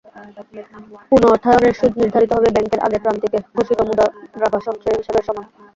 পুনঃ অর্থায়নের সুদ নির্ধারিত হবে ব্যাংকের আগের প্রান্তিকে ঘোষিত মুদারাবা সঞ্চয়ী হিসাবের সমান।